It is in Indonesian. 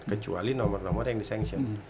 kecuali nomor nomor yang di sanction